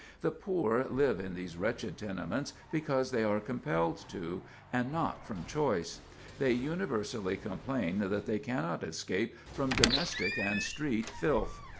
The poor live in these wretched tenements because they are compelled to, and not from choice. They universally complain that they cannot escape from domestic and street filth.